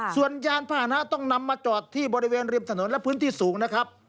ส่วนยานพาหนะต้องนำมาจอดที่บริเวณริมถนนและพื้นที่สูงนะครับ